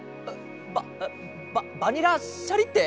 バババニラ・シャリッテ！？